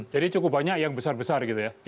jadi cukup banyak yang besar besar